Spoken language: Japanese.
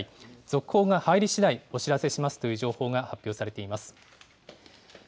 続報が入りしだい、お知らせしますという情報が発表されています。